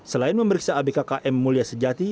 selain memeriksa abk km mulia sejati